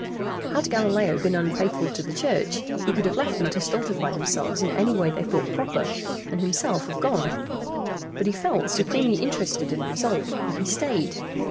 Had Galileo been unfaithful to the Church he could have left them to stultify themselves in any way they thought proper, and himself have gone; but he felt supremely interested in the result, and he stayed.